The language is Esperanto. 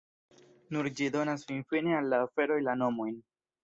Nur ĝi donas finfine al la aferoj la nomojn.